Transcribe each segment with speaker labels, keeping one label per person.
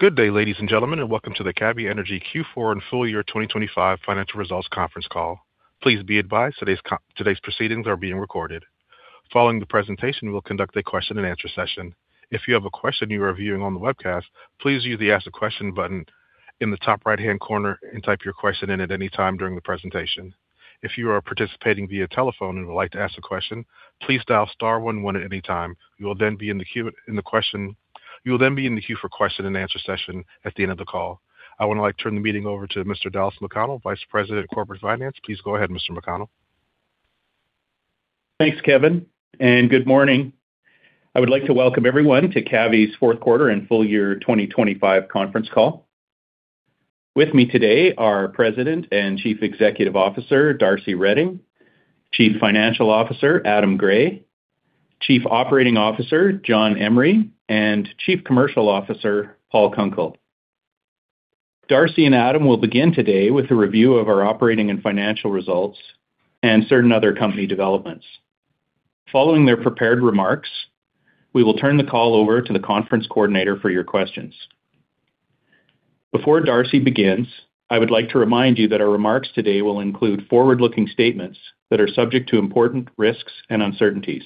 Speaker 1: Good day, ladies and gentlemen, and welcome to the Cavvy Energy Q4 and Full Year 2025 Financial Results Conference Call. Please be advised today's proceedings are being recorded. Following the presentation, we'll conduct a question-and-answer session. If you have a question you are viewing on the webcast, please use the Ask a Question button in the top right-hand corner and type your question in at any time during the presentation. If you are participating via telephone and would like to ask a question, please dial star one one at any time. You will then be in the queue for question-and-answer session at the end of the call. I would like to turn the meeting over to Mr. Dallas McConnell, Vice President of Corporate Finance. Please go ahead, Mr. McConnell.
Speaker 2: Thanks, Kevin, and good morning. I would like to welcome everyone to Cavvy's Fourth Quarter and Full Year 2025 Conference Call. With me today are President and Chief Executive Officer, Darcy Reding, Chief Financial Officer, Adam Gray, Chief Operating Officer, John Emery, and Chief Commercial Officer, Paul Kunkel. Darcy and Adam will begin today with a review of our operating and financial results and certain other company developments. Following their prepared remarks, we will turn the call over to the conference coordinator for your questions. Before Darcy begins, I would like to remind you that our remarks today will include forward-looking statements that are subject to important risks and uncertainties.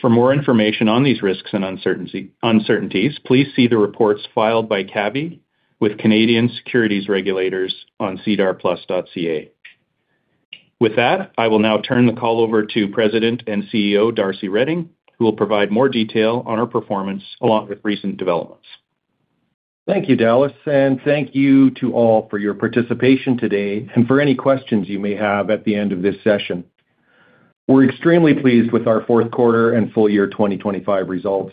Speaker 2: For more information on these risks and uncertainties, please see the reports filed by Cavvy with Canadian Securities Regulators on sedarplus.ca. With that, I will now turn the call over to President and Chief Executive Officer, Darcy Reding, who will provide more detail on our performance along with recent developments.
Speaker 3: Thank you, Dallas, and thank you to all for your participation today and for any questions you may have at the end of this session. We're extremely pleased with our fourth quarter and full year 2025 results.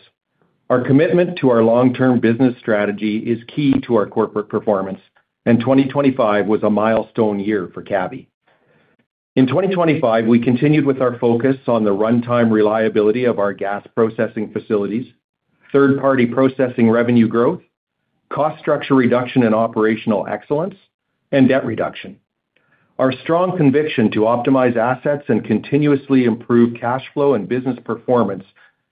Speaker 3: Our commitment to our long-term business strategy is key to our corporate performance, and 2025 was a milestone year for Cavvy. In 2025, we continued with our focus on the runtime reliability of our gas processing facilities, third-party processing revenue growth, cost structure reduction and operational excellence, and debt reduction. Our strong conviction to optimize assets and continuously improve cash flow and business performance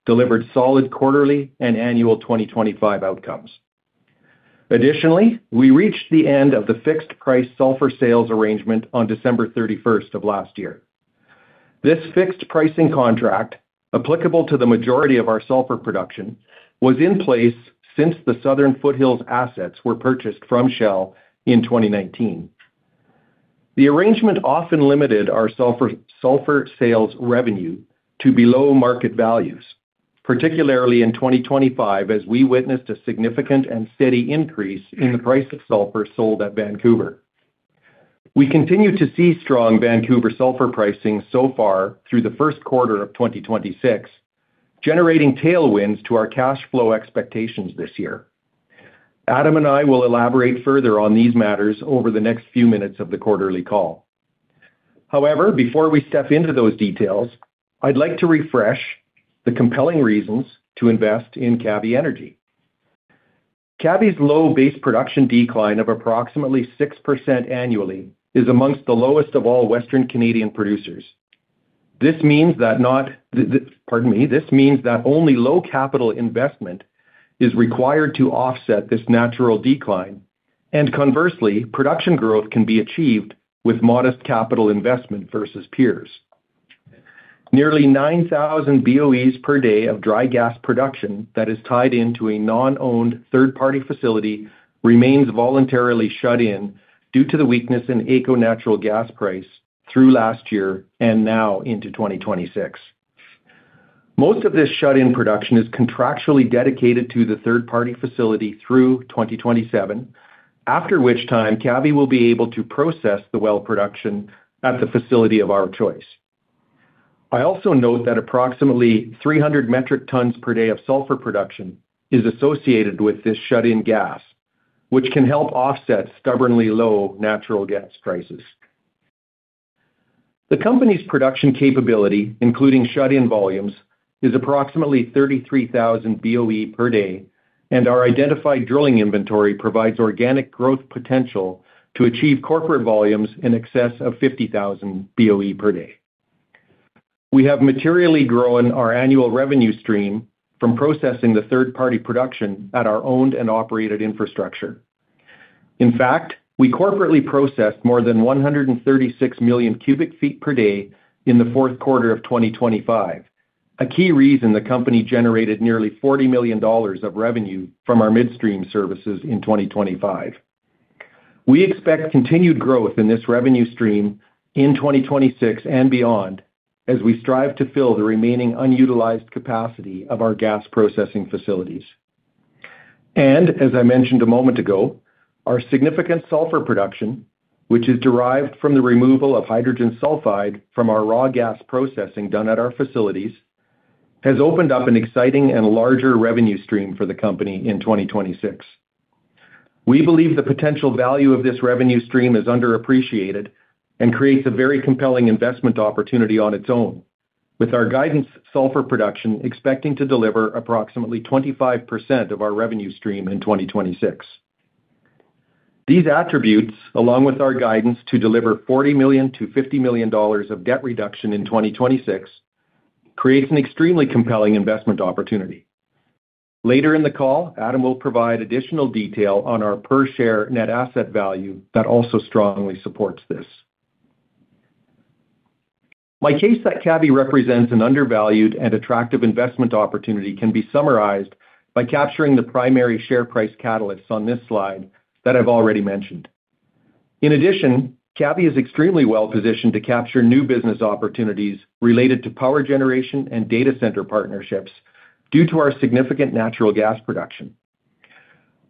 Speaker 3: delivered solid quarterly and annual 2025 outcomes. Additionally, we reached the en d of the fixed-price sulphur sales arrangement on December 31st of last year. This fixed pricing contract, applicable to the majority of our sulphur production, was in place since the Southern Foothills assets were purchased from Shell in 2019. The arrangement often limited our sulphur sales revenue to below market values, particularly in 2025, as we witnessed a significant and steady increase in the price of sulphur sold at Vancouver. We continue to see strong Vancouver sulphur pricing so far through the first quarter of 2026, generating tailwinds to our cash flow expectations this year. Adam and I will elaborate further on these matters over the next few minutes of the quarterly call. However, before we step into those details, I'd like to refresh the compelling reasons to invest in Cavvy Energy. Cavvy's low base production decline of approximately 6% annually is among the lowest of all Western Canadian producers. This means that only low capital investment is required to offset this natural decline, and conversely, production growth can be achieved with modest capital investment versus peers. Nearly 9,000 BOEs per day of dry gas production that is tied into a non-owned third-party facility remains voluntarily shut in due to the weakness in AECO natural gas price through last year and now into 2026. Most of this shut-in production is contractually dedicated to the third-party facility through 2027, after which time Cavvy will be able to process the well production at the facility of our choice. I also note that approximately 300 metric tons per day of sulphur production is associated with this shut-in gas, which can help offset stubbornly low natural gas prices. The company's production capability, including shut-in volumes, is approximately 33,000 BOE per day, and our identified drilling inventory provides organic growth potential to achieve corporate volumes in excess of 50,000 BOE per day. We have materially grown our annual revenue stream from processing the third-party production at our owned and operated infrastructure. In fact, we corporately processed more than 136 million cubic feet per day in the fourth quarter of 2025. A key reason the company generated nearly 40 million dollars of revenue from our midstream services in 2025. We expect continued growth in this revenue stream in 2026 and beyond as we strive to fill the remaining unutilized capacity of our gas processing facilities. As I mentioned a moment ago, our significant sulphur production, which is derived from the removal of hydrogen sulfide from our raw gas processing done at our facilities, has opened up an exciting and larger revenue stream for the company in 2026. We believe the potential value of this revenue stream is underappreciated and creates a very compelling investment opportunity on its own, with our guidance sulphur production expecting to deliver approximately 25% of our revenue stream in 2026. These attributes, along with our guidance to deliver 40 million-50 million dollars of debt reduction in 2026, creates an extremely compelling investment opportunity. Later in the call, Adam will provide additional detail on our per share net asset value that also strongly supports this. My case that Cavvy represents an undervalued and attractive investment opportunity can be summarized by capturing the primary share price catalysts on this slide that I've already mentioned. In addition, Cavvy is extremely well-positioned to capture new business opportunities related to power generation and data center partnerships due to our significant natural gas production.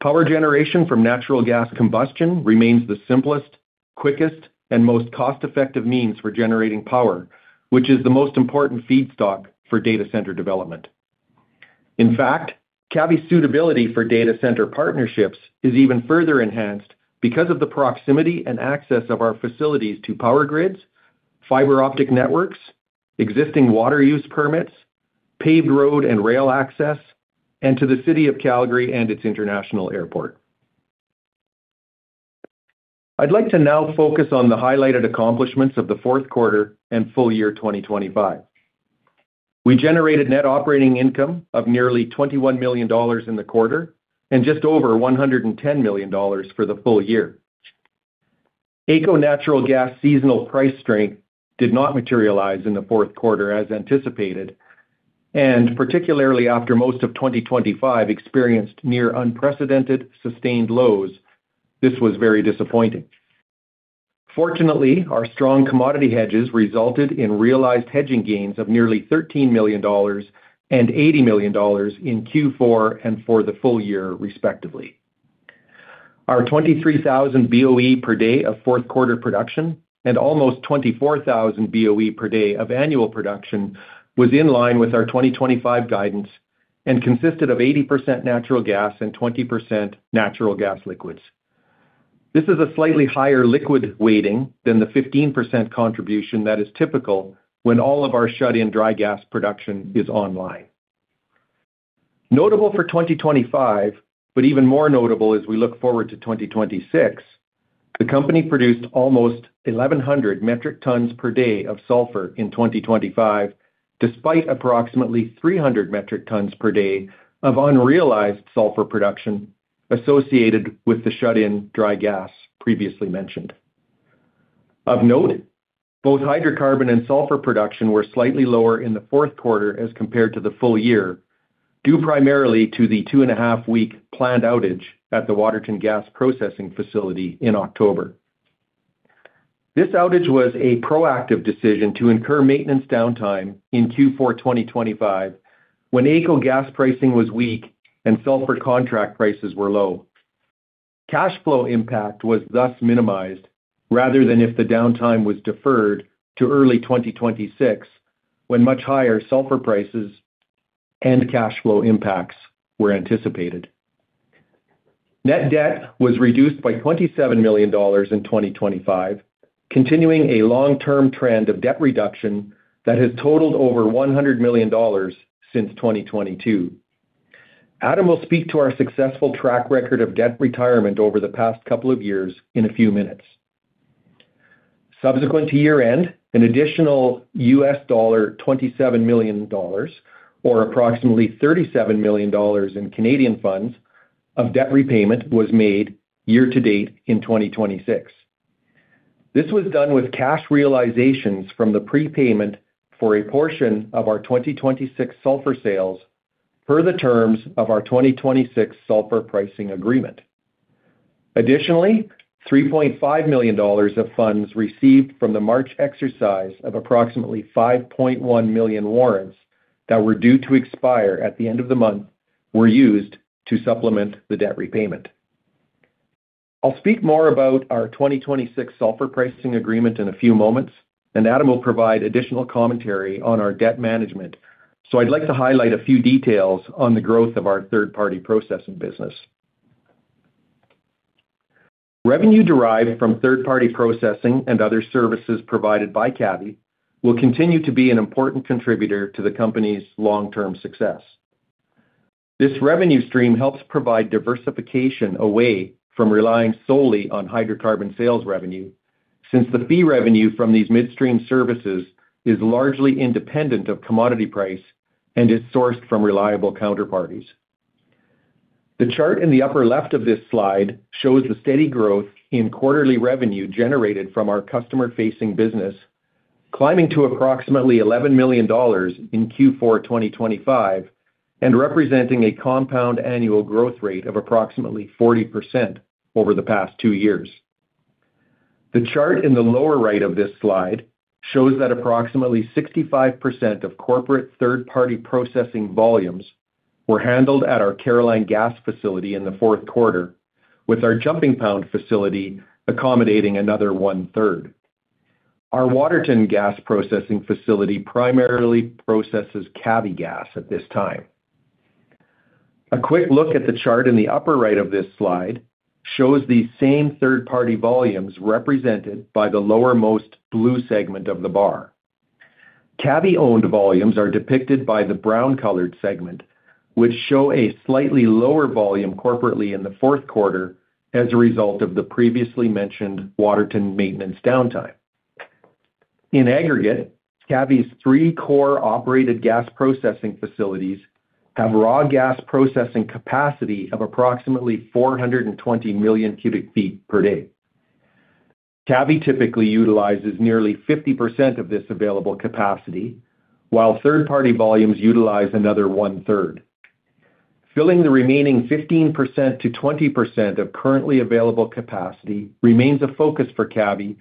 Speaker 3: Power generation from natural gas combustion remains the simplest, quickest, and most cost-effective means for generating power, which is the most important feedstock for data center development. In fact, Cavvy's suitability for data center partnerships is even further enhanced because of the proximity and access of our facilities to power grids, fiber optic networks, existing water use permits, paved road and rail access, and to the city of Calgary and its international airport. I'd like to now focus on the highlighted accomplishments of the fourth quarter and full year 2025. We generated net operating income of nearly 21 million dollars in the quarter and just over 110 million dollars for the full year. AECO natural gas seasonal price strength did not materialize in the fourth quarter as anticipated, and particularly after most of 2025 experienced near unprecedented sustained lows, this was very disappointing. Fortunately, our strong commodity hedges resulted in realized hedging gains of nearly 13 million dollars and 80 million dollars in Q4 and for the full year, respectively. Our 23,000 BOE per day of fourth quarter production and almost 24,000 BOE per day of annual production was in line with our 2025 guidance and consisted of 80% natural gas and 20% natural gas liquids. This is a slightly higher liquid weighting than the 15% contribution that is typical when all of our shut-in dry gas production is online. Notable for 2025, but even more notable as we look forward to 2026, the company produced almost 1,100 metric tons per day of sulphur in 2025, despite approximately 300 metric tons per day of unrealized sulphur production associated with the shut-in dry gas previously mentioned. Of note, both hydrocarbon and sulphur production were slightly lower in the fourth quarter as compared to the full year, due primarily to the 2.5-week planned outage at the Waterton gas processing facility in October. This outage was a proactive decision to incur maintenance downtime in Q4 2025 when AECO gas pricing was weak and sulphur contract prices were low. Cash flow impact was thus minimized rather than if the downtime was deferred to early 2026, when much higher sulphur prices and cash flow impacts were anticipated. Net debt was reduced by 27 million dollars in 2025, continuing a long-term trend of debt reduction that has totaled over 100 million dollars since 2022. Adam will speak to our successful track record of debt retirement over the past couple of years in a few minutes. Subsequent to year-end, an additional $27 million or approximately 37 million dollars of debt repayment was made year to date in 2026. This was done with cash realizations from the prepayment for a portion of our 2026 sulphur sales per the terms of our 2026 sulphur pricing agreement. Additionally, 3.5 million dollars of funds received from the March exercise of approximately 5.1 million warrants that were due to expire at the end of the month were used to supplement the debt repayment. I'll speak more about our 2026 sulphur pricing agreement in a few moments, and Adam will provide additional commentary on our debt management. I'd like to highlight a few details on the growth of our third-party processing business. Revenue derived from third-party processing and other services provided by Cavvy will continue to be an important contributor to the company's long-term success. This revenue stream helps provide diversification away from relying solely on hydrocarbon sales revenue, since the fee revenue from these midstream services is largely independent of commodity price and is sourced from reliable counterparties. The chart in the upper left of this slide shows the steady growth in quarterly revenue generated from our customer-facing business, climbing to approximately 11 million dollars in Q4 2025 and representing a compound annual growth rate of approximately 40% over the past two years. The chart in the lower right of this slide shows that approximately 65% of corporate third-party processing volumes were handled at our Caroline gas facility in the fourth quarter, with our Jumping Pound facility accommodating another one-third. Our Waterton gas processing facility primarily processes Cavvy gas at this time. A quick look at the chart in the upper right of this slide shows the same third-party volumes represented by the lowermost blue segment of the bar. Cavvy-owned volumes are depicted by the brown-colored segment, which show a slightly lower volume corporately in the fourth quarter as a result of the previously mentioned Waterton maintenance downtime. In aggregate, Cavvy's three core operated gas processing facilities have raw gas processing capacity of approximately 420 million cubic feet per day. Cavvy typically utilizes nearly 50% of this available capacity, while third-party volumes utilize another one-third. Filling the remaining 15%-20% of currently available capacity remains a focus for Cavvy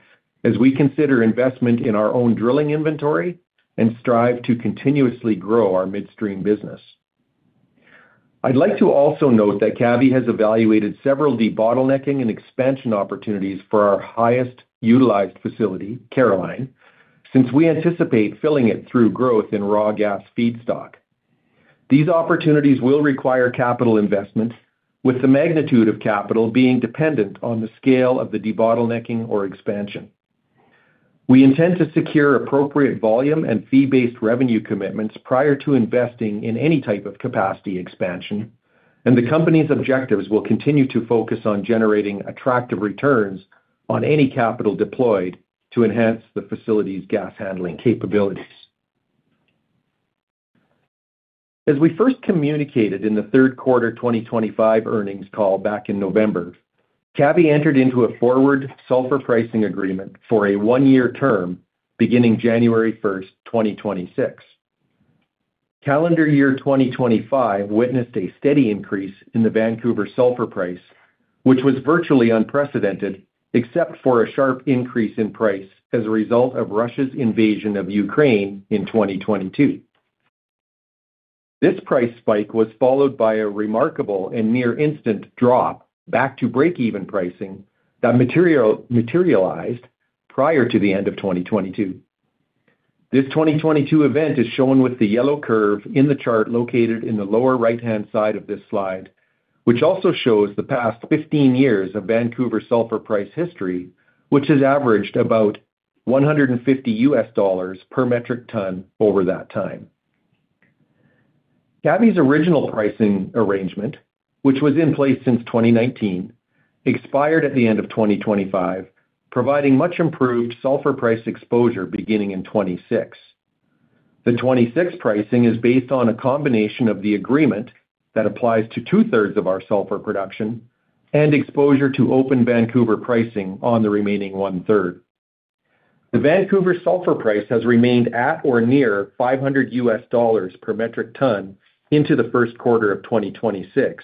Speaker 3: as we consider investment in our own drilling inventory and strive to continuously grow our midstream business. I'd like to also note that Cavvy has evaluated several debottlenecking and expansion opportunities for our highest utilized facility, Caroline, since we anticipate filling it through growth in raw gas feedstock. These opportunities will require capital investments with the magnitude of capital being dependent on the scale of the debottlenecking or expansion. We intend to secure appropriate volume and fee-based revenue commitments prior to investing in any type of capacity expansion, and the company's objectives will continue to focus on generating attractive returns on any capital deployed to enhance the facility's gas handling capabilities. As we first communicated in the third quarter 2025 earnings call back in November, Cavvy entered into a forward sulphur pricing agreement for a one-year term beginning January 1, 2026. Calendar year 2025 witnessed a steady increase in the Vancouver sulphur price, which was virtually unprecedented except for a sharp increase in price as a result of Russia's invasion of Ukraine in 2022. This price spike was followed by a remarkable and near-instant drop back to breakeven pricing that materialized prior to the end of 2022. This 2022 event is shown with the yellow curve in the chart located in the lower right-hand side of this slide, which also shows the past 15 years of Vancouver sulphur price history, which has averaged about $150 per metric ton over that time. Cavvy's original pricing arrangement, which was in place since 2019, expired at the end of 2025, providing much improved sulphur price exposure beginning in 2026. The 2026 pricing is based on a combination of the agreement that applies to two-thirds of our sulphur production and exposure to FOB Vancouver pricing on the remaining one-third. The FOB Vancouver sulphur price has remained at or near $500 per metric ton into the first quarter of 2026,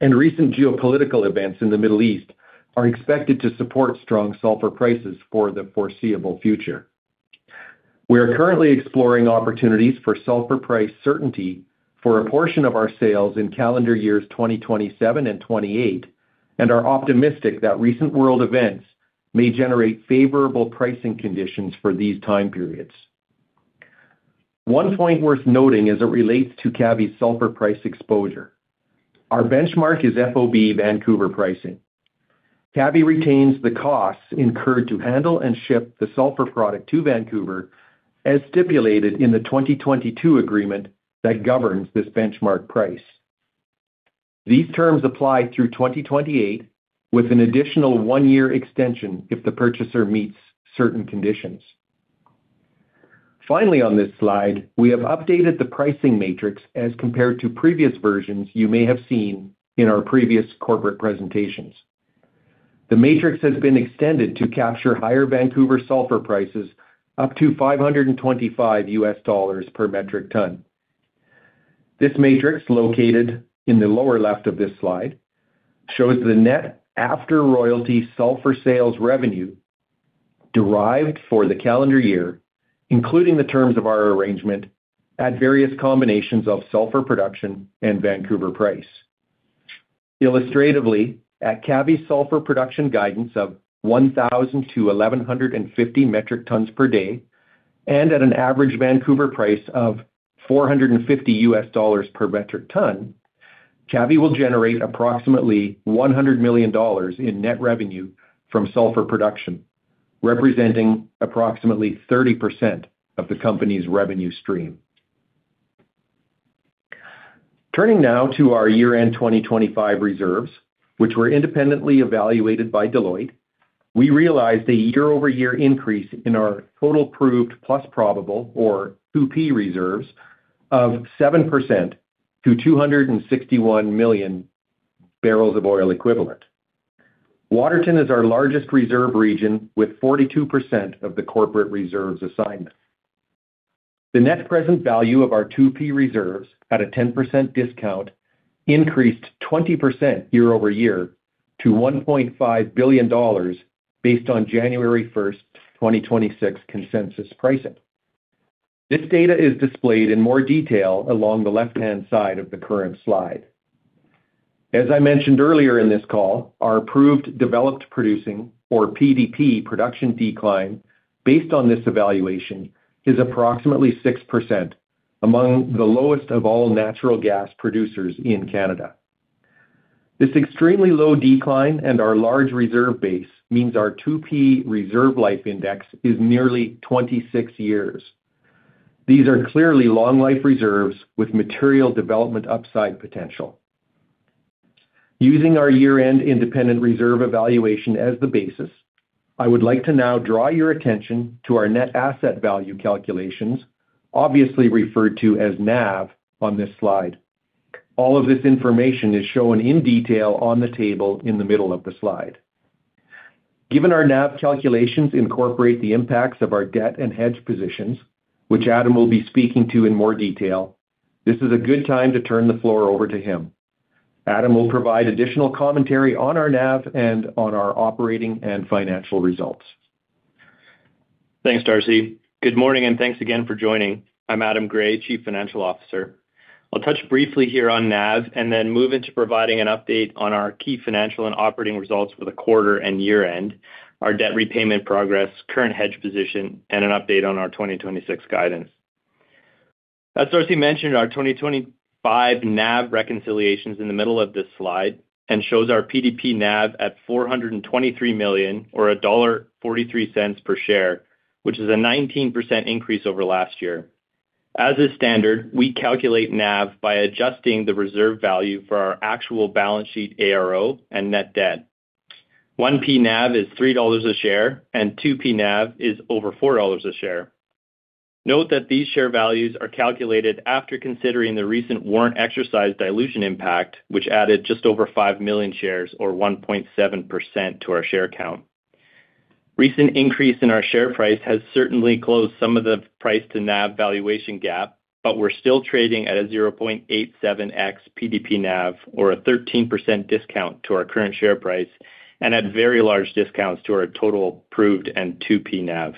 Speaker 3: and recent geopolitical events in the Middle East are expected to support strong sulphur prices for the foreseeable future. We are currently exploring opportunities for sulphur price certainty for a portion of our sales in calendar years 2027 and 2028 and are optimistic that recent world events may generate favorable pricing conditions for these time periods. One point worth noting as it relates to Cavvy's sulphur price exposure, our benchmark is FOB Vancouver pricing. Cavvy retains the costs incurred to handle and ship the sulphur product to Vancouver as stipulated in the 2022 agreement that governs this benchmark price. These terms apply through 2028, with an additional one-year extension if the purchaser meets certain conditions. Finally, on this slide, we have updated the pricing matrix as compared to previous versions you may have seen in our previous corporate presentations. The matrix has been extended to capture higher Vancouver sulphur prices up to $525 per metric ton. This matrix, located in the lower left of this slide, shows the net after royalty sulphur sales revenue derived for the calendar year, including the terms of our arrangement at various combinations of sulphur production and Vancouver price. Illustratively, at Cavvy's sulphur production guidance of 1,000-1,150 metric tons per day and at an average Vancouver price of $450 per metric ton, Cavvy will generate approximately 100 million dollars in net revenue from sulphur production, representing approximately 30% of the company's revenue stream. Turning now to our year-end 2025 reserves, which were independently evaluated by Deloitte, we realized a year-over-year increase in our total proved plus probable or 2P reserves of 7% to 261 million barrels of oil equivalent. Waterton is our largest reserve region with 42% of the corporate reserves assigned. The net present value of our 2P reserves at a 10% discount increased 20% year-over-year to 1.5 billion dollars based on January 1, 2026 consensus pricing. This data is displayed in more detail along the left-hand side of the current slide. As I mentioned earlier in this call, our proved developed producing or PDP production decline based on this evaluation is approximately 6%, among the lowest of all natural gas producers in Canada. This extremely low decline and our large reserve base means our 2P reserve life index is nearly 26 years. These are clearly long life reserves with material development upside potential. Using our year-end independent reserve evaluation as the basis, I would like to now draw your attention to our net asset value calculations, obviously referred to as NAV on this slide. All of this information is shown in detail on the table in the middle of the slide. Given our NAV calculations incorporate the impacts of our debt and hedge positions, which Adam will be speaking to in more detail, this is a good time to turn the floor over to him. Adam will provide additional commentary on our NAV and on our operating and financial results.
Speaker 4: Thanks, Darcy. Good morning, and thanks again for joining. I'm Adam Gray, Chief Financial Officer. I'll touch briefly here on NAV and then move into providing an update on our key financial and operating results for the quarter and year-end, our debt repayment progress, current hedge position, and an update on our 2026 guidance. As Darcy mentioned, our 2025 NAV reconciliation is in the middle of this slide and shows our PDP NAV at 423 million or dollar 1.43 per share, which is a 19% increase over last year. As is standard, we calculate NAV by adjusting the reserve value for our actual balance sheet, ARO, and net debt. 1P NAV is 3 dollars a share and 2P NAV is over 4 dollars a share. Note that these share values are calculated after considering the recent warrant exercise dilution impact, which added just over 5 million shares or 1.7% to our share count. Recent increase in our share price has certainly closed some of the price to NAV valuation gap, but we're still trading at a 0.87x PDP NAV or a 13% discount to our current share price and at very large discounts to our total proved and 2P NAV.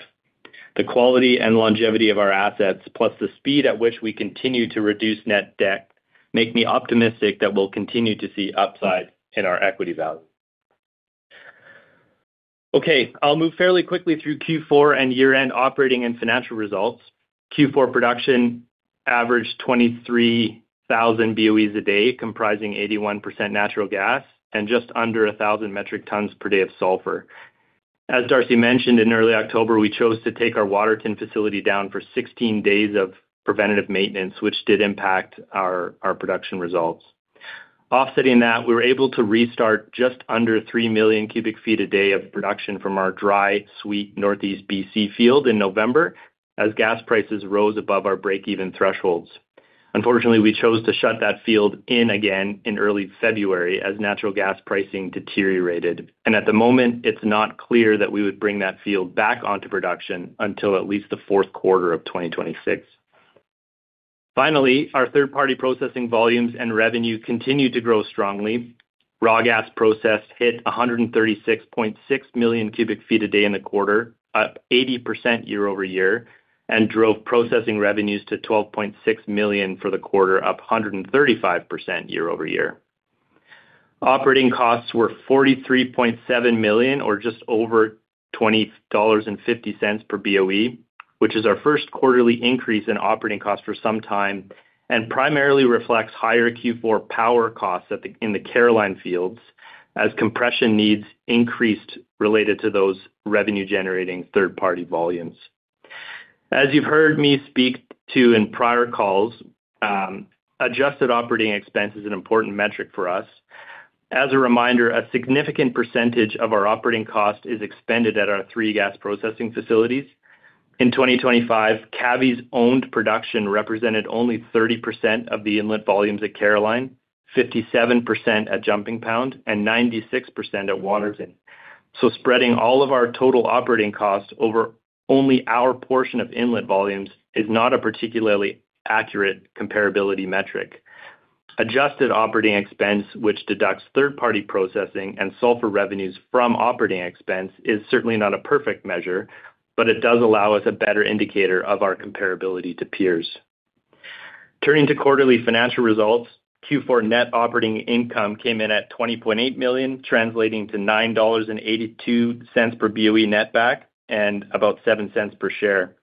Speaker 4: The quality and longevity of our assets, plus the speed at which we continue to reduce net debt, make me optimistic that we'll continue to see upside in our equity value. Okay, I'll move fairly quickly through Q4 and year-end operating and financial results. Q4 production averaged 23,000 BOEs a day, comprising 81% natural gas and just under 1,000 metric tons per day of sulphur. As Darcy mentioned, in early October, we chose to take our Waterton facility down for 16 days of preventative maintenance, which did impact our production results. Offsetting that, we were able to restart just under 3 million cubic feet a day of production from our dry sweet Northeast BC field in November as gas prices rose above our break-even thresholds. Unfortunately, we chose to shut that field in again in early February as natural gas pricing deteriorated. At the moment, it's not clear that we would bring that field back onto production until at least the fourth quarter of 2026. Finally, our third-party processing volumes and revenue continued to grow strongly. Raw gas process hit 136.6 million cubic feet a day in the quarter, up 80% year-over-year, and drove processing revenues to 12.6 million for the quarter, up 135% year-over-year. Operating costs were 43.7 million, or just over 20.50 dollars per BOE, which is our first quarterly increase in operating costs for some time and primarily reflects higher Q4 power costs in the Caroline Fields as compression needs increased related to those revenue-generating third-party volumes. As you've heard me speak to in prior calls, adjusted operating expense is an important metric for us. As a reminder, a significant percentage of our operating cost is expended at our three gas processing facilities. In 2025, Cavvy's owned production represented only 30% of the inlet volumes at Caroline, 57% at Jumping Pound, and 96% at Waterton. Spreading all of our total operating costs over only our portion of inlet volumes is not a particularly accurate comparability metric. Adjusted operating expense, which deducts third-party processing and sulphur revenues from operating expense, is certainly not a perfect measure, but it does allow us a better indicator of our comparability to peers. Turning to quarterly financial results, Q4 net operating income came in at 20.8 million, translating to 9.82 dollars per BOE net back and about 0.07 per share.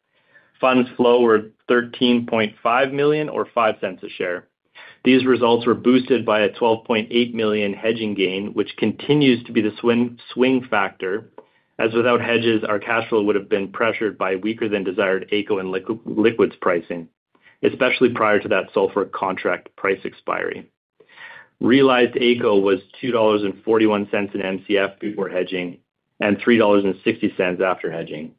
Speaker 4: Funds flow were 13.5 million or 0.05 a share. These results were boosted by a 12.8 million hedging gain, which continues to be the swing factor, as without hedges, our cash flow would have been pressured by weaker than desired AECO and liquids pricing, especially prior to that sulphur contract price expiry. Realized AECO was 2.41 dollars per MCF before hedging and 3.60 dollars per MCF after hedging.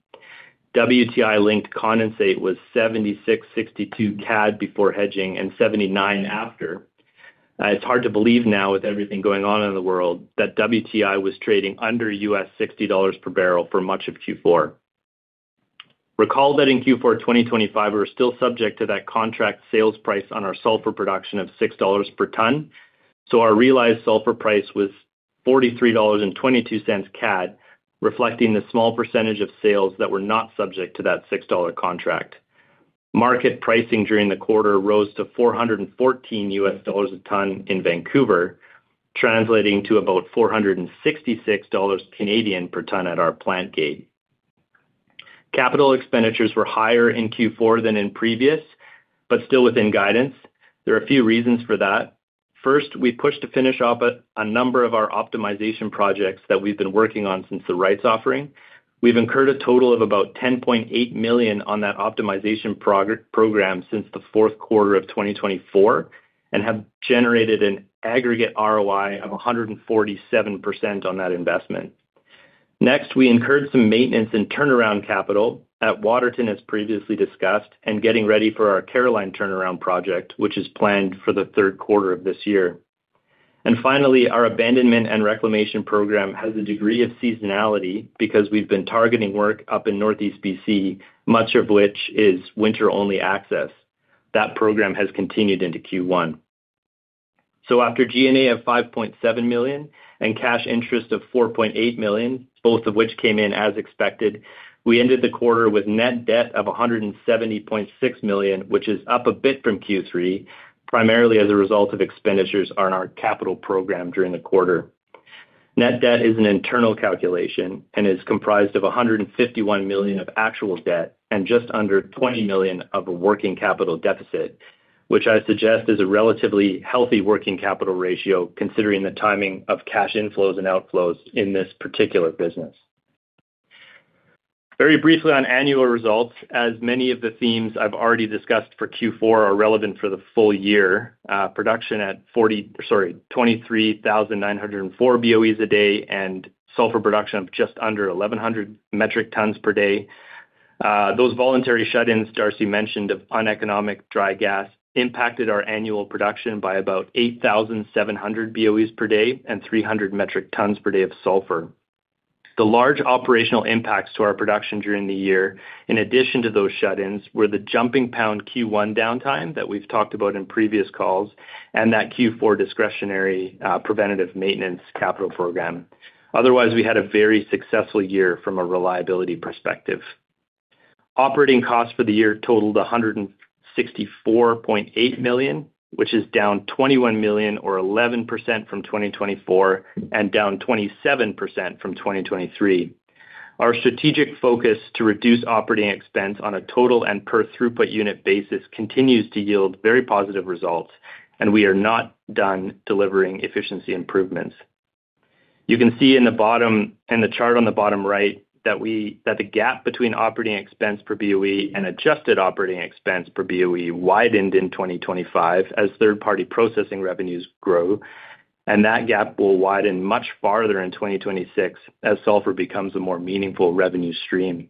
Speaker 4: WTI-linked condensate was 76.62 CAD before hedging and 79 after. It's hard to believe now with everything going on in the world that WTI was trading under $60 per barrel for much of Q4. Recall that in Q4 2025, we were still subject to that contract sales price on our sulphur production of 6 dollars per ton. Our realized sulphur price was 43.22 CAD, reflecting the small percentage of sales that were not subject to that 6 dollar contract. Market pricing during the quarter rose to $414 a ton in Vancouver, translating to about 466 Canadian dollars Canadian per ton at our plant gate. Capital expenditures were higher in Q4 than in previous, but still within guidance. There are a few reasons for that. First, we pushed to finish off a number of our optimization projects that we've been working on since the rights offering. We've incurred a total of about 10.8 million on that optimization program since the fourth quarter of 2024, and have generated an aggregate ROI of 147% on that investment. Next, we incurred some maintenance and turnaround capital at Waterton, as previously discussed, and getting ready for our Caroline turnaround project, which is planned for the third quarter of this year. Finally, our abandonment and reclamation program has a degree of seasonality because we've been targeting work up in Northeast BC, much of which is winter-only access. That program has continued into Q1. After G&A of 5.7 million and cash interest of 4.8 million, both of which came in as expected, we ended the quarter with net debt of 170.6 million, which is up a bit from Q3, primarily as a result of expenditures on our capital program during the quarter. Net debt is an internal calculation and is comprised of 151 million of actual debt and just under 20 million of a working capital deficit, which I suggest is a relatively healthy working capital ratio considering the timing of cash inflows and outflows in this particular business. Very briefly on annual results, as many of the themes I've already discussed for Q4 are relevant for the full year, production at 23,904 BOEs a day and sulphur production of just under 1,100 metric tons per day. Those voluntary shut-ins Darcy mentioned of uneconomic dry gas impacted our annual production by about 8,700 BOEs per day and 300 metric tons per day of sulphur. The large operational impacts to our production during the year, in addition to those shut-ins, were the Jumping Pound Q1 downtime that we've talked about in previous calls and that Q4 discretionary, preventative maintenance capital program. Otherwise, we had a very successful year from a reliability perspective. Operating costs for the year totaled 164.8 million, which is down 21 million or 11% from 2024 and down 27% from 2023. Our strategic focus to reduce operating expense on a total and per throughput unit basis continues to yield very positive results, and we are not done delivering efficiency improvements. You can see in the chart on the bottom right, that the gap between operating expense per BOE and adjusted operating expense per BOE widened in 2025 as third-party processing revenues grow. That gap will widen much farther in 2026 as sulphur becomes a more meaningful revenue stream.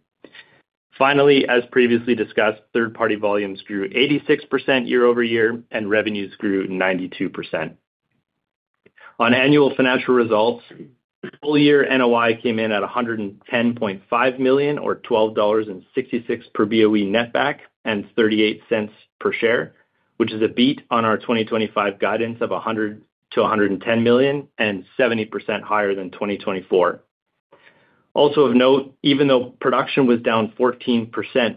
Speaker 4: Finally, as previously discussed, third-party volumes grew 86% year-over-year, and revenues grew 92%. On annual financial results, full year NOI came in at 110.5 million or 12.66 dollars per BOE net back and 0.38 per share, which is a beat on our 2025 guidance of 100-110 million and 70% higher than 2024. Also of note, even though production was down 14%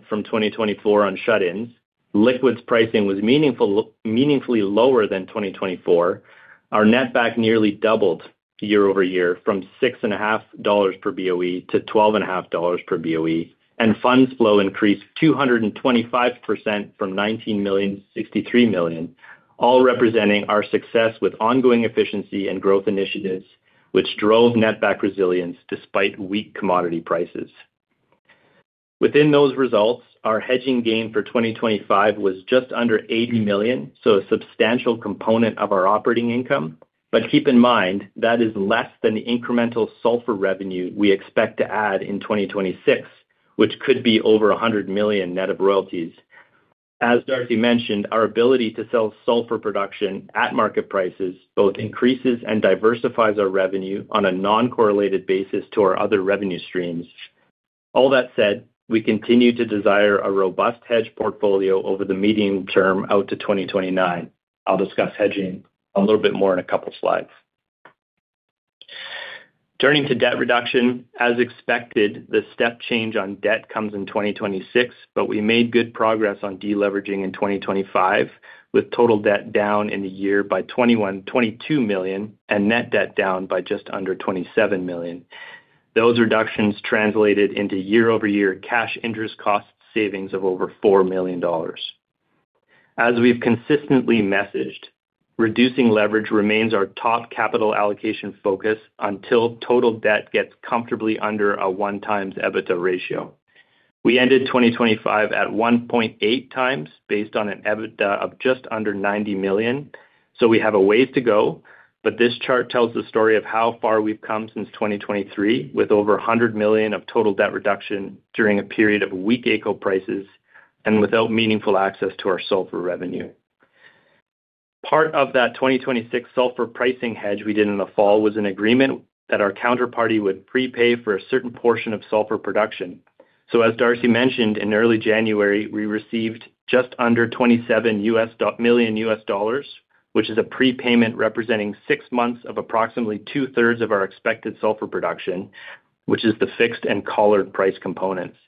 Speaker 4: from 2024 on shut-ins, liquids pricing was meaningfully lower than 2024. Our netback nearly doubled year-over-year from 6.5 dollars per BOE to 12.5 dollars per BOE, and funds flow increased 225% from 19 million to 63 million, all representing our success with ongoing efficiency and growth initiatives, which drove netback resilience despite weak commodity prices. Within those results, our hedging gain for 2025 was just under 80 million, so a substantial component of our operating income. Keep in mind, that is less than the incremental sulphur revenue we expect to add in 2026, which could be over 100 million net of royalties. As Darcy mentioned, our ability to sell sulphur production at market prices both increases and diversifies our revenue on a non-correlated basis to our other revenue streams. All that said, we continue to desire a robust hedge portfolio over the medium term out to 2029. I'll discuss hedging a little bit more in a couple slides. Turning to debt reduction. As expected, the step change on debt comes in 2026, but we made good progress on deleveraging in 2025, with total debt down in the year by 22 million and net debt down by just under 27 million. Those reductions translated into year-over-year cash interest cost savings of over 4 million dollars. As we've consistently messaged, reducing leverage remains our top capital allocation focus until total debt gets comfortably under a 1x EBITDA ratio. We ended 2025 at 1.8 times based on an EBITDA of just under 90 million, so we have a ways to go, but this chart tells the story of how far we've come since 2023 with over 100 million of total debt reduction during a period of weak AECO prices and without meaningful access to our sulphur revenue. Part of that 2026 sulphur pricing hedge we did in the fall was an agreement that our counterparty would prepay for a certain portion of sulphur production. As Darcy mentioned, in early January, we received just under $27 million, which is a prepayment representing six months of approximately two-thirds of our expected sulphur production, which is the fixed and collared price components.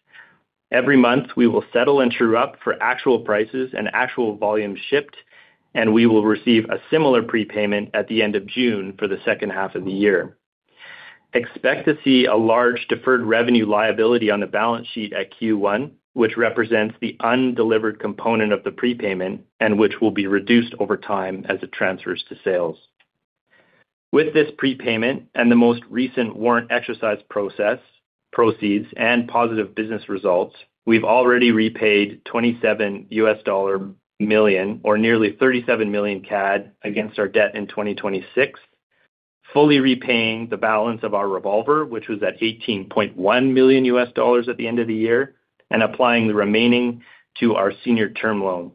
Speaker 4: Every month, we will settle and true up for actual prices and actual volume shipped. We will receive a similar prepayment at the end of June for the second half of the year. Expect to see a large deferred revenue liability on the balance sheet at Q1, which represents the undelivered component of the prepayment and which will be reduced over time as it transfers to sales. With this prepayment and the most recent warrant exercise process, proceeds and positive business results, we've already repaid $27 million or nearly 37 million CAD against our debt in 2026, fully repaying the balance of our revolver, which was at $18.1 million at the end of the year, and applying the remaining to our senior term loan.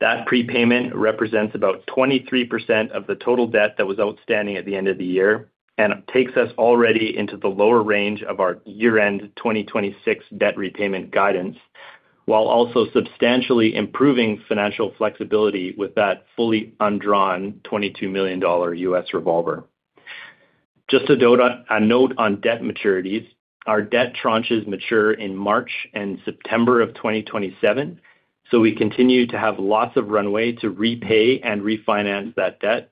Speaker 4: That prepayment represents about 23% of the total debt that was outstanding at the end of the year and takes us already into the lower range of our year-end 2026 debt repayment guidance, while also substantially improving financial flexibility with that fully undrawn $22 million US revolver. Just a note on debt maturities. Our debt tranches mature in March and September of 2027, so we continue to have lots of runway to repay and refinance that debt.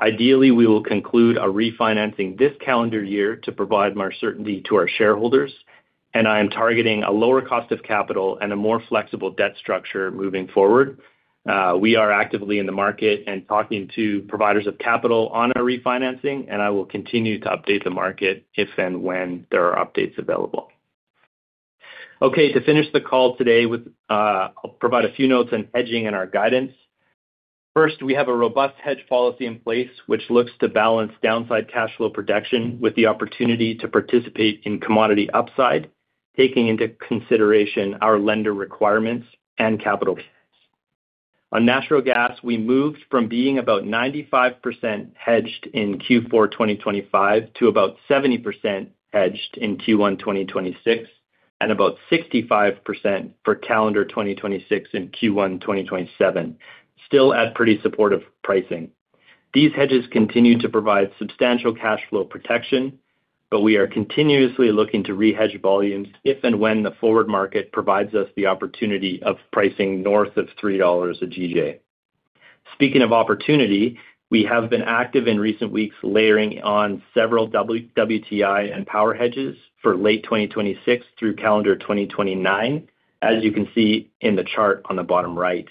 Speaker 4: Ideally, we will conclude a refinancing this calendar year to provide more certainty to our shareholders, and I am targeting a lower cost of capital and a more flexible debt structure moving forward. We are actively in the market and talking to providers of capital on our refinancing, and I will continue to update the market if and when there are updates available. Okay, to finish the call today with, I'll provide a few notes on hedging and our guidance. First, we have a robust hedge policy in place which looks to balance downside cash flow protection with the opportunity to participate in commodity upside, taking into consideration our lender requirements and capital gains. On natural gas, we moved from being about 95% hedged in Q4 2025 to about 70% hedged in Q1 2026 and about 65% for calendar 2026 in Q1 2027, still at pretty supportive pricing. These hedges continue to provide substantial cash flow protection, but we are continuously looking to re-hedge volumes if and when the forward market provides us the opportunity of pricing north of 3 dollars a GJ. Speaking of opportunity, we have been active in recent weeks layering on several W-WTI and power hedges for late 2026 through calendar 2029, as you can see in the chart on the bottom right.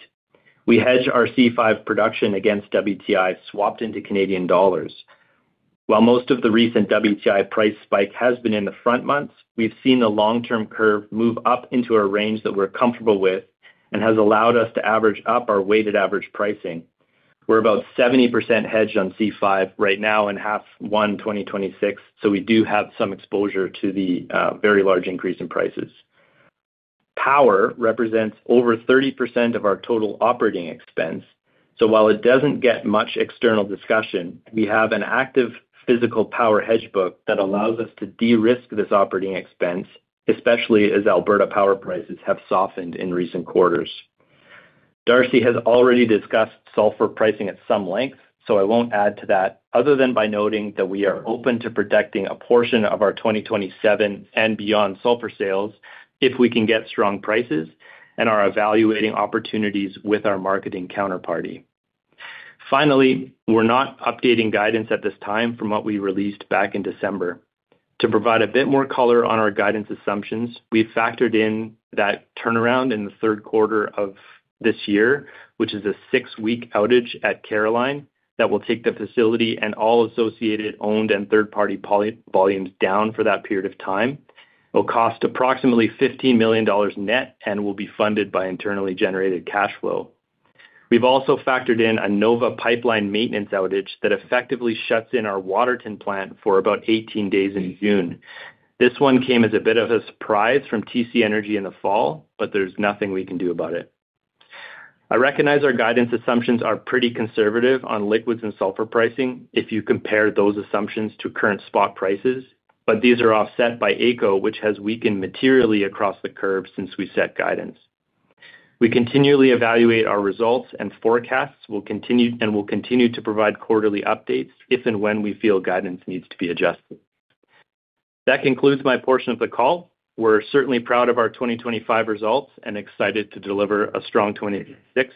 Speaker 4: We hedge our C5 production against WTI swapped into Canadian dollars. While most of the recent WTI price spike has been in the front months, we've seen the long-term curve move up into a range that we're comfortable with and has allowed us to average up our weighted average pricing. We're about 70% hedged on C5 right now and 50% in 2026, so we do have some exposure to the very large increase in prices. Power represents over 30% of our total operating expense. While it doesn't get much external discussion, we have an active physical power hedge book that allows us to de-risk this operating expense, especially as Alberta power prices have softened in recent quarters. Darcy has already discussed sulphur pricing at some length, so I won't add to that other than by noting that we are open to protecting a portion of our 2027 and beyond sulphur sales if we can get strong prices and are evaluating opportunities with our marketing counterparty. Finally, we're not updating guidance at this time from what we released back in December. To provide a bit more color on our guidance assumptions, we factored in that turnaround in the third quarter of this year, which is a six-week outage at Caroline that will take the facility and all associated owned and third-party volumes down for that period of time. It'll cost approximately 15 million dollars net and will be funded by internally generated cash flow. We've also factored in a NOVA pipeline maintenance outage that effectively shuts in our Waterton plant for about 18 days in June. This one came as a bit of a surprise from TC Energy in the fall, but there's nothing we can do about it. I recognize our guidance assumptions are pretty conservative on liquids and sulphur pricing if you compare those assumptions to current spot prices, but these are offset by AECO, which has weakened materially across the curve since we set guidance. We continually evaluate our results and forecasts. We will continue to provide quarterly updates if and when we feel guidance needs to be adjusted. That concludes my portion of the call. We're certainly proud of our 2025 results and excited to deliver a strong 2026.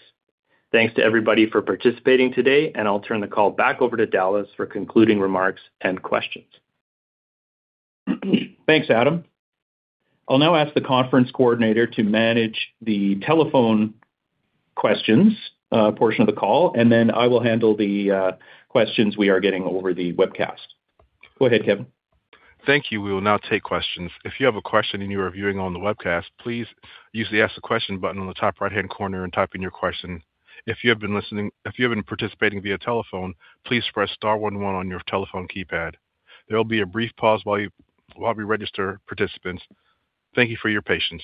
Speaker 4: Thanks to everybody for participating today, and I'll turn the call back over to Dallas for concluding remarks and questions.
Speaker 2: Thanks, Adam. I'll now ask the conference coordinator to manage the telephone questions portion of the call, and then I will handle the questions we are getting over the webcast. Go ahead, Kevin.
Speaker 1: Thank you. We will now take questions. If you have a question and you are viewing on the webcast, please use the Ask a Question button on the top right-hand corner and type in your question. If you have been participating via telephone, please press star one one on your telephone keypad. There will be a brief pause while we register participants. Thank you for your patience.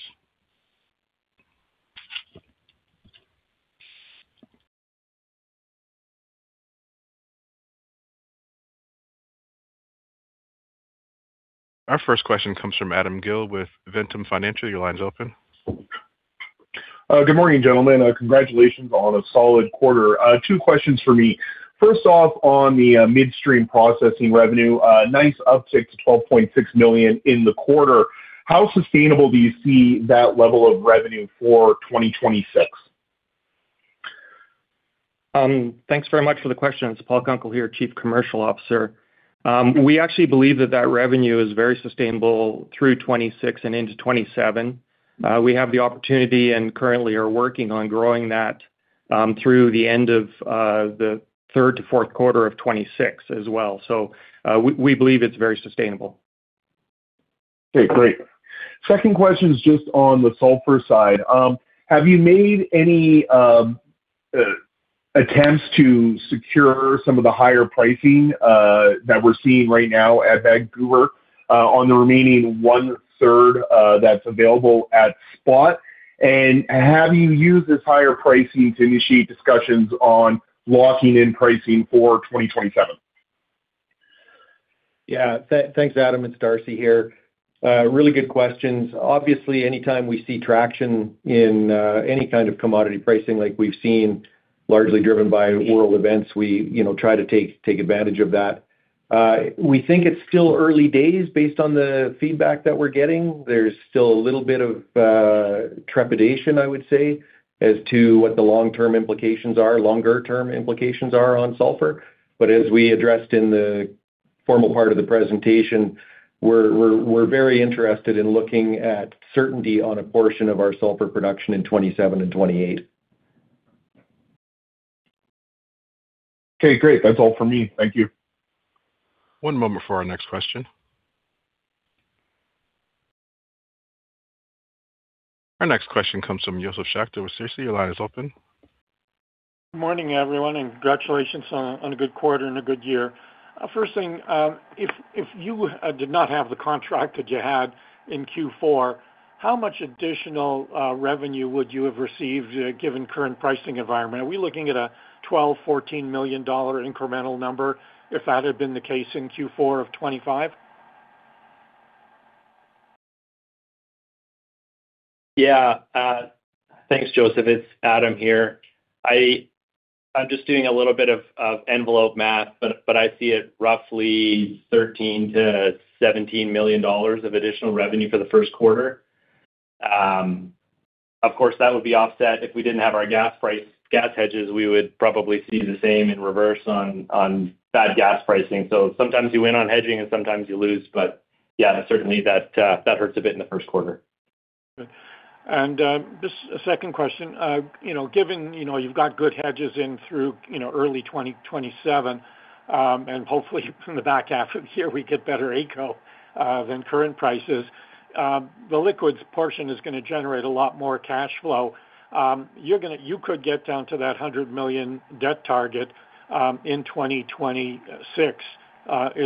Speaker 1: Our first question comes from Adam Gill with Ventum Financial. Your line's open.
Speaker 5: Good morning, gentlemen. Congratulations on a solid quarter. 2 questions for me. First off, on the midstream processing revenue, nice uptick to 12.6 million in the quarter. How sustainable do you see that level of revenue for 2026?
Speaker 6: Thanks very much for the question. It's Paul Kunkel here, Chief Commercial Officer. We actually believe that that revenue is very sustainable through 2026 and into 2027. We have the opportunity and currently are working on growing that, through the end of the third to fourth quarter of 2026 as well. We believe it's very sustainable.
Speaker 5: Okay, great. Second question is just on the sulphur side. Have you made any attempts to secure some of the higher pricing that we're seeing right now at Vancouver on the remaining one-third that's available at spot? Have you used this higher pricing to initiate discussions on locking in pricing for 2027?
Speaker 3: Thanks, Adam. It's Darcy here. Really good questions. Obviously, anytime we see traction in any kind of commodity pricing like we've seen, largely driven by world events, we, you know, try to take advantage of that. We think it's still early days based on the feedback that we're getting. There's still a little bit of trepidation, I would say, as to what the long-term implications are on sulphur. But as we addressed in the formal part of the presentation, we're very interested in looking at certainty on a portion of our sulphur production in 2027 and 2028.
Speaker 5: Okay, great. That's all for me. Thank you.
Speaker 1: One moment for our next question. Our next question comes from Josef Schachter with Schachter Energy Research. Your line is open.
Speaker 7: Good morning, everyone, and congratulations on a good quarter and a good year. First thing, if you did not have the contract that you had in Q4, how much additional revenue would you have received given current pricing environment? Are we looking at a 12 million-14 million dollar incremental number if that had been the case in Q4 of 2025?
Speaker 4: Yeah. Thanks, Josef. It's Adam here. I'm just doing a little bit of envelope math, but I see it roughly 13 million-17 million dollars of additional revenue for the first quarter. Of course, that would be offset if we didn't have our gas hedges, we would probably see the same in reverse on bad gas pricing. Sometimes you win on hedging, and sometimes you lose. Yeah, certainly that hurts a bit in the first quarter.
Speaker 7: Just a second question. You know, given, you know, you've got good hedges in through, you know, early 2027, and hopefully from the back half of the year, we get better AECO than current prices. The liquids portion is gonna generate a lot more cash flow. You could get down to that 100 million debt target in 2026. Are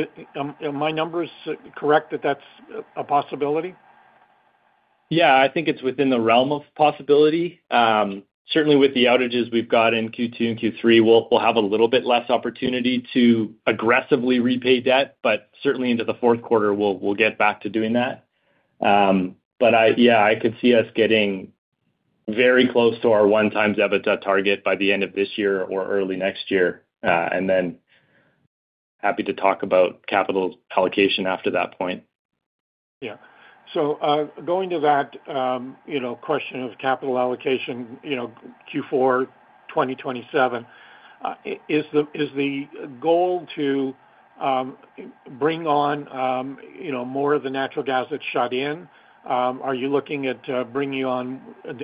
Speaker 7: my numbers correct that that's a possibility?
Speaker 4: Yeah. I think it's within the realm of possibility. Certainly with the outages we've got in Q2 and Q3, we'll have a little bit less opportunity to aggressively repay debt, but certainly into the fourth quarter, we'll get back to doing that. Yeah, I could see us getting very close to our 1x EBITDA target by the end of this year or early next year, and then happy to talk about capital allocation after that point.
Speaker 7: Yeah. Going to that, you know, question of capital allocation, you know, Q4 2027 is the goal to bring on, you know, more of the natural gas that's shut in? Are you looking at bringing on,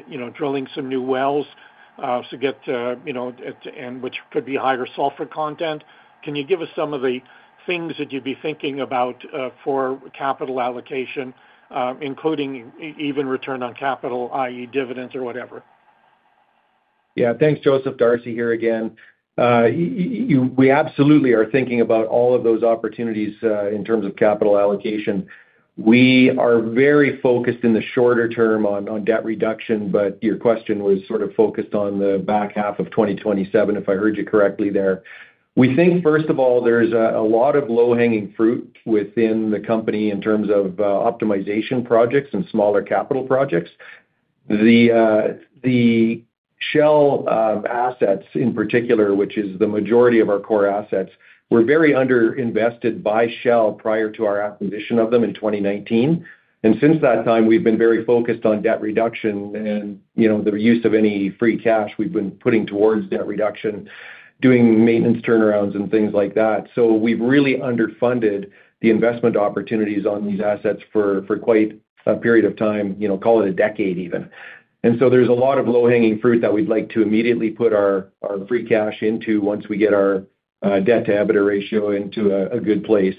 Speaker 7: you know, drilling some new wells to get to, you know, at the end, which could be higher sulphur content? Can you give us some of the things that you'd be thinking about for capital allocation, including even return on capital, i.e., dividends or whatever?
Speaker 3: Yeah. Thanks, Josef. Darcy here again. We absolutely are thinking about all of those opportunities in terms of capital allocation. We are very focused in the shorter term on debt reduction, but your question was sort of focused on the back half of 2027, if I heard you correctly there. We think, first of all, there's a lot of low-hanging fruit within the company in terms of optimization projects and smaller capital projects. The Shell assets in particular, which is the majority of our core assets, were very underinvested by Shell prior to our acquisition of them in 2019. Since that time, we've been very focused on debt reduction and, you know, the use of any free cash we've been putting towards debt reduction, doing maintenance turnarounds and things like that. We've really underfunded the investment opportunities on these assets for quite a period of time, you know, call it a decade even. There's a lot of low-hanging fruit that we'd like to immediately put our free cash into once we get our debt-to-EBITDA ratio into a good place.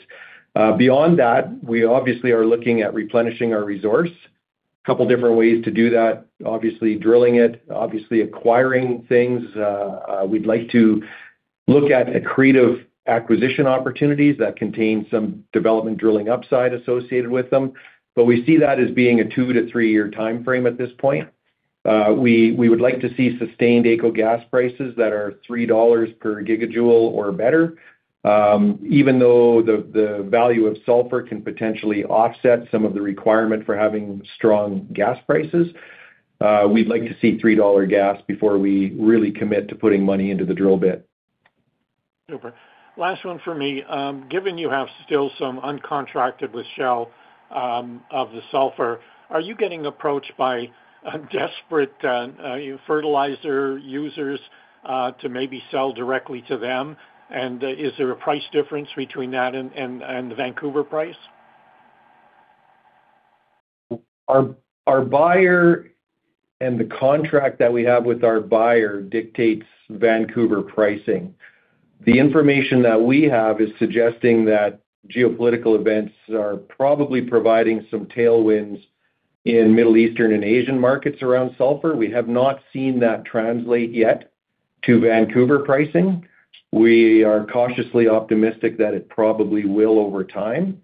Speaker 3: Beyond that, we obviously are looking at replenishing our resource. A couple different ways to do that. Obviously drilling it, obviously acquiring things. We'd like to look at accretive acquisition opportunities that contain some development drilling upside associated with them. We see that as being a 2-3-year timeframe at this point. We would like to see sustained AECO gas prices that are 3 dollars per gigajoule or better. Even though the value of sulphur can potentially offset some of the requirement for having strong gas prices. We'd like to see 3 dollar gas before we really commit to putting money into the drill bit.
Speaker 7: Super. Last one for me. Given you have still some uncontracted with Shell, of the sulphur, are you getting approached by a desperate urea fertilizer users, to maybe sell directly to them? Is there a price difference between that and the Vancouver price?
Speaker 3: Our buyer and the contract that we have with our buyer dictates Vancouver pricing. The information that we have is suggesting that geopolitical events are probably providing some tailwinds in Middle Eastern and Asian markets around sulphur. We have not seen that translate yet to Vancouver pricing. We are cautiously optimistic that it probably will over time.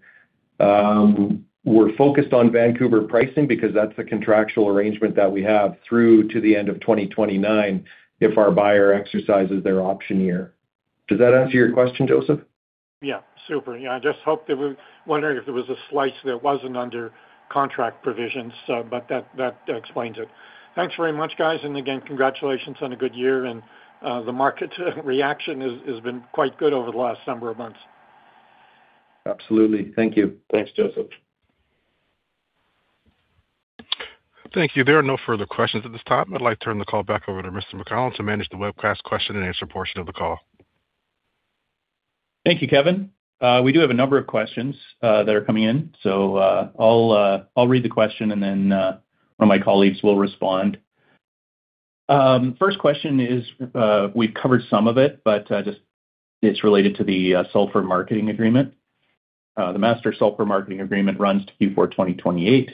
Speaker 3: We're focused on Vancouver pricing because that's the contractual arrangement that we have through to the end of 2029 if our buyer exercises their option year. Does that answer your question, Josef?
Speaker 7: Yeah, super. Yeah, I just hoped it would. Wondering if there was a slice that wasn't under contract provisions, but that explains it. Thanks very much, guys. Again, congratulations on a good year and the market reaction has been quite good over the last number of months.
Speaker 3: Absolutely. Thank you. Thanks, Josef.
Speaker 1: Thank you. There are no further questions at this time. I'd like to turn the call back over to Mr. McConnell to manage the webcast question and answer portion of the call.
Speaker 2: Thank you, Kevin. We do have a number of questions that are coming in, so I'll read the question and then one of my colleagues will respond. First question is, we've covered some of it, but just it's related to the sulphur marketing agreement. The master sulphur marketing agreement runs to Q4 2028.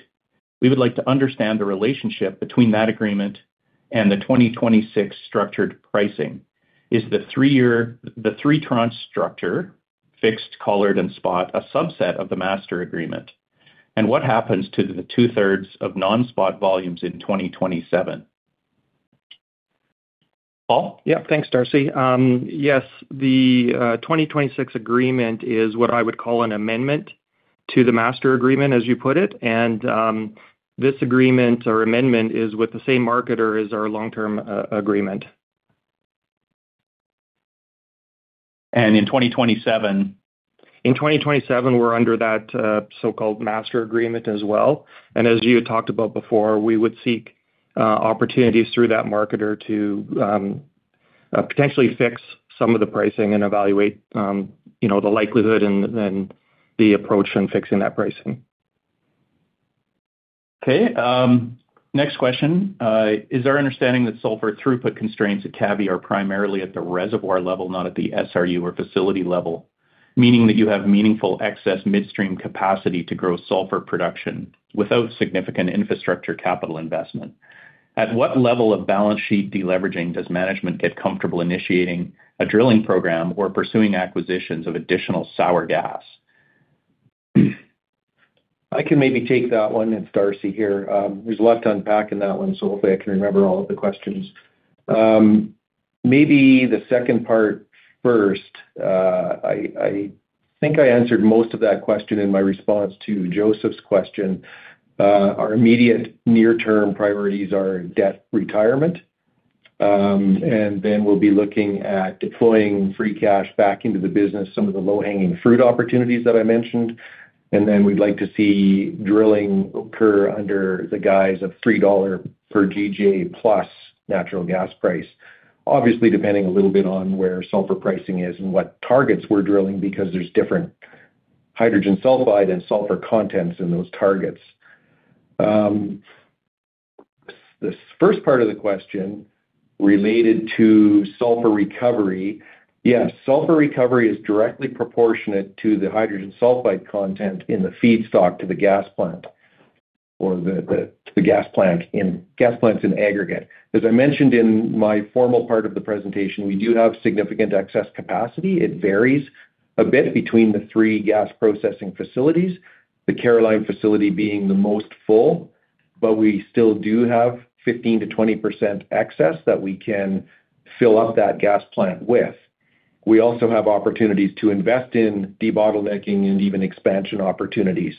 Speaker 2: We would like to understand the relationship between that agreement and the 2026 structured pricing. Is the three tranche structure fixed, collar and spot a subset of the master agreement? And what happens to the two-thirds of non-spot volumes in 2027? Paul?
Speaker 6: Yeah. Thanks, Darcy. Yes, the 2026 agreement is what I would call an amendment to the master agreement, as you put it. This agreement or amendment is with the same marketer as our long-term agreement.
Speaker 2: In 2027?
Speaker 6: In 2027, we're under that so-called master agreement as well. As you had talked about before, we would seek opportunities through that marketer to potentially fix some of the pricing and evaluate you know the likelihood and the approach in fixing that pricing.
Speaker 2: Is our understanding that sulphur throughput constraints at Cavvy are primarily at the reservoir level, not at the SRU or facility level, meaning that you have meaningful excess midstream capacity to grow sulphur production without significant infrastructure capital investment? At what level of balance sheet deleveraging does management get comfortable initiating a drilling program or pursuing acquisitions of additional sour gas?
Speaker 3: I can maybe take that one. It's Darcy here. There's a lot to unpack in that one, so hopefully I can remember all of the questions. Maybe the second part first. I think I answered most of that question in my response to Josef's question. Our immediate near-term priorities are debt retirement. We'll be looking at deploying free cash back into the business, some of the low-hanging fruit opportunities that I mentioned. We'd like to see drilling occur under the guise of 3 dollar per GJ plus natural gas price. Obviously, depending a little bit on where sulphur pricing is and what targets we're drilling, because there's different hydrogen sulfide and sulphur contents in those targets. The first part of the question related to sulphur recovery. Yes, sulphur recovery is directly proportionate to the hydrogen sulfide content in the feedstock to the gas plant or the gas plants in aggregate. As I mentioned in my formal part of the presentation, we do have significant excess capacity. It varies a bit between the three gas processing facilities, the Caroline facility being the most full, but we still do have 15%-20% excess that we can fill up that gas plant with. We also have opportunities to invest in debottlenecking and even expansion opportunities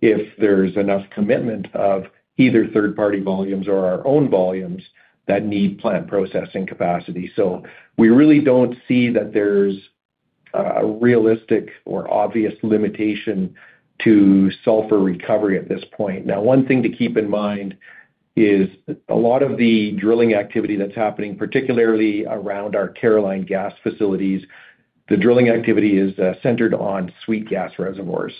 Speaker 3: if there's enough commitment of either third-party volumes or our own volumes that need plant processing capacity. We really don't see that there's a realistic or obvious limitation to sulphur recovery at this point. Now, one thing to keep in mind is a lot of the drilling activity that's happening, particularly around our Caroline gas facilities, the drilling activity is centered on sweet gas reservoirs.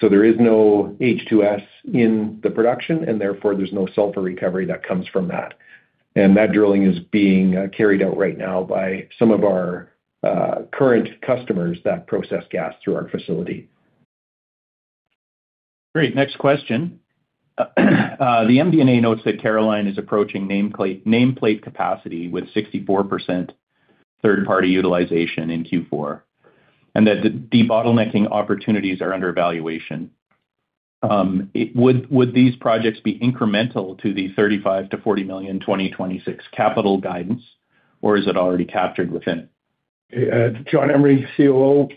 Speaker 3: There is no H2S in the production, and therefore, there's no sulphur recovery that comes from that. That drilling is being carried out right now by some of our current customers that process gas through our facility.
Speaker 2: Great. Next question. The MD&A notes that Caroline is approaching nameplate capacity with 64% third party utilization in Q4, and that the debottlenecking opportunities are under evaluation. Would these projects be incremental to the 35 million-40 million 2026 capital guidance, or is it already captured within?
Speaker 8: John Emery, Chief Operating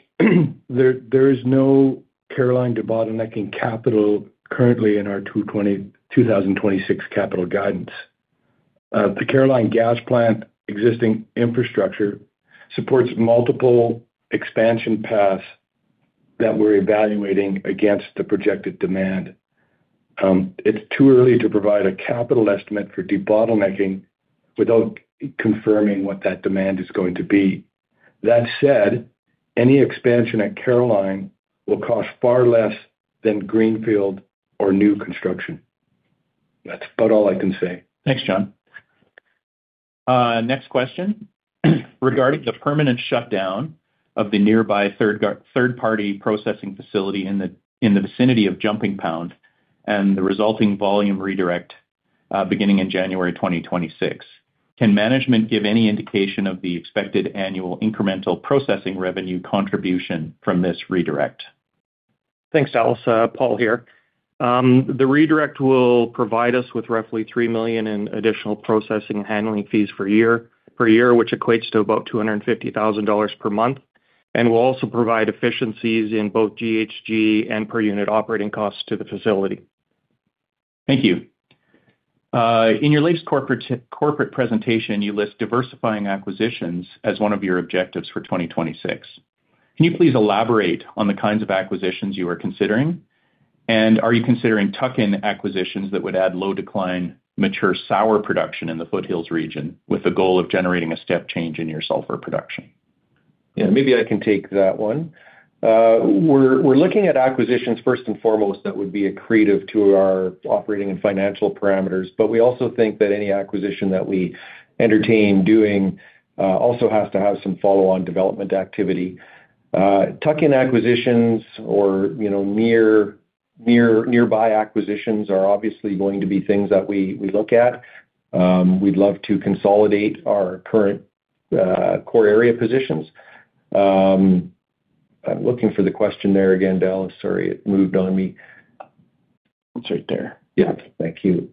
Speaker 8: Officer. There is no Caroline debottlenecking capital currently in our 2026 capital guidance. The Caroline Gas Plant existing infrastructure supports multiple expansion paths that we're evaluating against the projected demand. It's too early to provide a capital estimate for debottlenecking without confirming what that demand is going to be. That said, any expansion at Caroline will cost far less than greenfield or new construction. That's about all I can say.
Speaker 2: Thanks, John. Next question. Regarding the permanent shutdown of the nearby third-party processing facility in the vicinity of Jumping Pound and the resulting volume redirect, beginning in January 2026, can management give any indication of the expected annual incremental processing revenue contribution from this redirect?
Speaker 6: Thanks, Dallas. Paul here. The redirect will provide us with roughly 3 million in additional processing and handling fees per year, which equates to about 250,000 dollars per month, and will also provide efficiencies in both GHG and per unit operating costs to the facility.
Speaker 2: Thank you. In your latest corporate presentation, you list diversifying acquisitions as one of your objectives for 2026. Can you please elaborate on the kinds of acquisitions you are considering? Are you considering tuck-in acquisitions that would add low decline, mature sour production in the Foothills region with the goal of generating a step change in your sulphur production?
Speaker 3: Yeah, maybe I can take that one. We're looking at acquisitions first and foremost that would be accretive to our operating and financial parameters, but we also think that any acquisition that we entertain doing also has to have some follow-on development activity. Tuck-in acquisitions or, you know, nearby acquisitions are obviously going to be things that we look at. We'd love to consolidate our current core area positions. I'm looking for the question there again, Dallas. Sorry, it moved on me. It's right there. Yeah, thank you.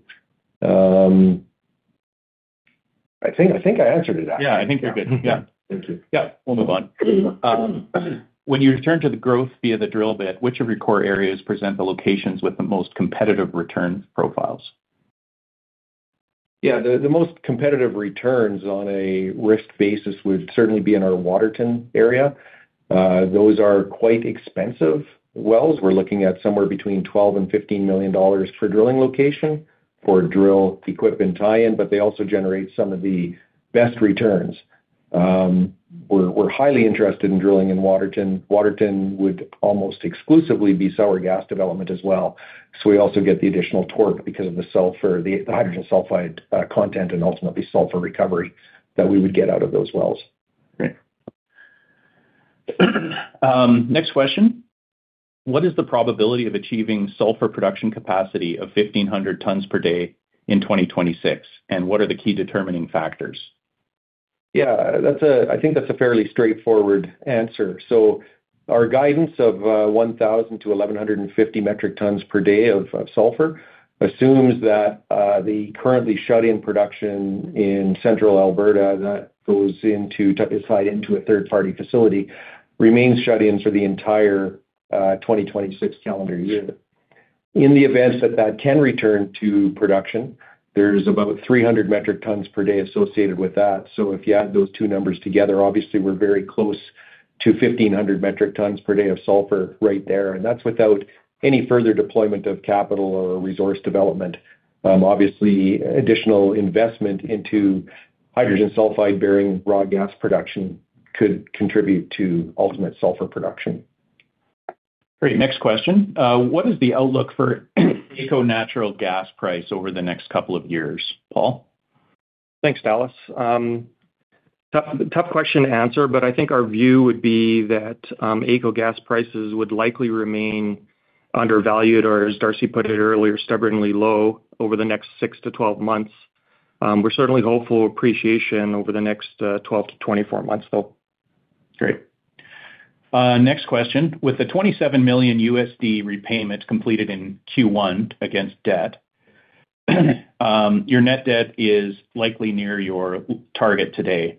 Speaker 3: I think I answered it.
Speaker 2: Yeah, I think you're good. Yeah.
Speaker 3: Thank you.
Speaker 2: Yeah, we'll move on. When you return to the growth via the drill bit, which of your core areas present the locations with the most competitive return profiles?
Speaker 3: Yeah, the most competitive returns on a risk basis would certainly be in our Waterton area. Those are quite expensive wells. We're looking at somewhere between 12 million and 15 million dollars per drilling location for drill equipment tie-in, but they also generate some of the best returns. We're highly interested in drilling in Waterton. Waterton would almost exclusively be sour gas development as well, so we also get the additional torque because of the sulphur, the hydrogen sulfide content and ultimately sulphur recovery that we would get out of those wells.
Speaker 2: Great. Next question. What is the probability of achieving sulphur production capacity of 1,500 tons per day in 2026? What are the key determining factors?
Speaker 3: Yeah, that's. I think that's a fairly straightforward answer. Our guidance of 1,000-1,150 metric tons per day of sulphur assumes that the currently shut-in production in central Alberta that is piped into a third-party facility remains shut-in for the entire 2026 calendar year. In the event that that can return to production, there's about 300 metric tons per day associated with that. If you add those two numbers together, obviously we're very close to 1,500 metric tons per day of sulphur right there, and that's without any further deployment of capital or resource development. Obviously additional investment into hydrogen sulfide-bearing raw gas production could contribute to ultimate sulphur production.
Speaker 2: Great. Next question. What is the outlook for AECO natural gas price over the next couple of years? Paul.
Speaker 6: Thanks, Dallas. Tough question to answer, but I think our view would be that AECO gas prices would likely remain undervalued, or as Darcy put it earlier, stubbornly low over the next 6-12 months. We're certainly hopeful appreciation over the next 12-24 months though.
Speaker 2: Great. Next question. With the $27 million repayments completed in Q1 against debt, your net debt is likely near your target today.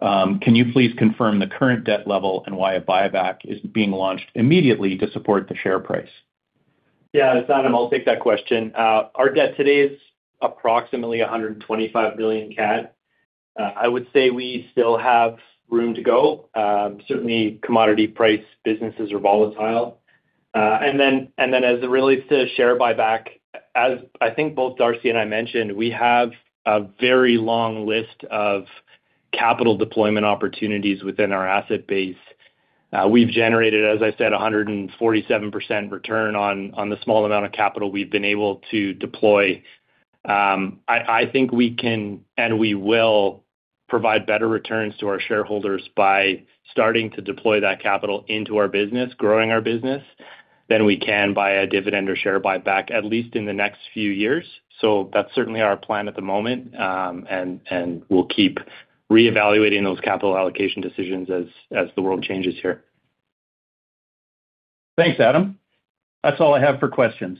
Speaker 2: Can you please confirm the current debt level and why a buyback is being launched immediately to support the share price?
Speaker 4: Yeah, it's Adam. I'll take that question. Our debt today is approximately 125 million CAD. I would say we still have room to go. Certainly commodity prices, businesses are volatile. As it relates to share buyback, as I think both Darcy and I mentioned, we have a very long list of capital deployment opportunities within our asset base. We've generated, as I said, 147% return on the small amount of capital we've been able to deploy. I think we can, and we will provide better returns to our shareholders by starting to deploy that capital into our business, growing our business, than we can by a dividend or share buyback at least in the next few years. That's certainly our plan at the moment. We'll keep reevaluating those capital allocation decisions as the world changes here.
Speaker 2: Thanks, Adam. That's all I have for questions.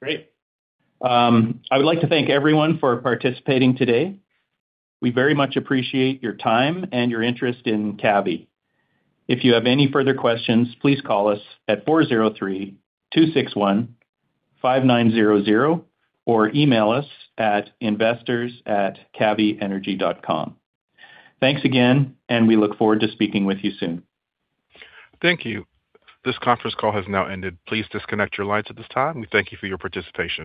Speaker 2: Great. I would like to thank everyone for participating today. We very much appreciate your time and your interest in Cavvy. If you have any further questions, please call us at 403-261-5900 or email us at investors@cavvyenergy.com. Thanks again, and we look forward to speaking with you soon.
Speaker 1: Thank you. This conference call has now ended. Please disconnect your lines at this time. We thank you for your participation.